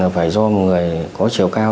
phải do một người có chiều cao